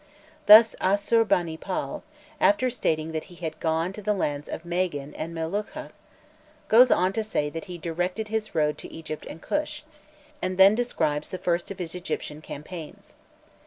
Thus Assur bani pal, after stating that he had "gone to the lands of Magan and Melukhkha," goes on to say that he "directed his road to Egypt and Kush," and then describes the first of his Egyptian campaigns.